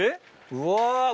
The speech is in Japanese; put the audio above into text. うわ。